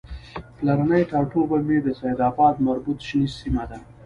پلرنی ټاټوبی مې د سیدآباد مربوط شنیز سیمه ده